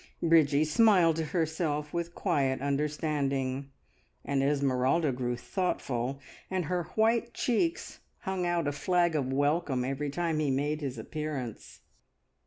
Bridgie smiled to herself with quiet understanding, and Esmeralda grew thoughtful, and her white cheeks hung out a flag of welcome every time he made his appearance.